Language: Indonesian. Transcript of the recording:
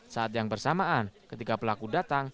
saat yang bersamaan ketika pelaku datang